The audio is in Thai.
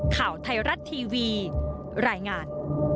ข่าวไทยรัฐทีวีรายงาน